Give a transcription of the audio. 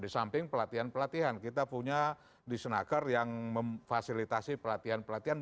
di samping pelatihan pelatihan kita punya di senaker yang memfasilitasi pelatihan pelatihan